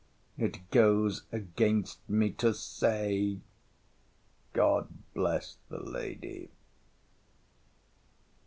—It goes against me to say, God bless the lady!